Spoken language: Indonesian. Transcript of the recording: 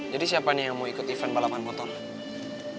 jadi siapa nih yang mau ikut event balapan motor